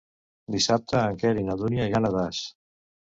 Dissabte en Quer i na Dúnia iran a Das.